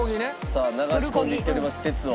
さあ流し込んでいっております鉄を。